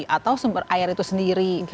atau sumber air itu sendiri